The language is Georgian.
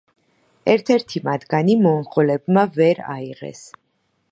ერთ-ერთი მათგანი მონღოლებმა ვერ აიღეს.